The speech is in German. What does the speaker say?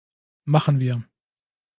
Machen wir!